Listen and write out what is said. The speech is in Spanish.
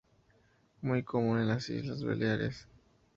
Muy común en las islas Baleares.